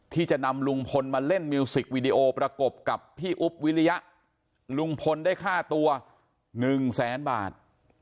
ที่จะนำลุงพลมาเล่นมิวสิกวีดีโอประกบกับพี่อุ๊บวิริยะลุงพลได้ค่าตัว๑แสนบาท